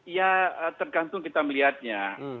ya tergantung kita melihatnya